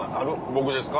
僕ですか？